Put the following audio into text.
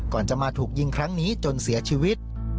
ก่อนจะมาถูกยิงครั้งนี้จนเสียชีวิต